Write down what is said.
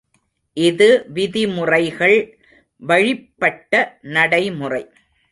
இது விதிமுறைகள் வழிப்பட்ட நடைமுறை.